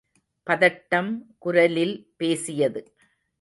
பதட்டம் குரலில் பேசியது.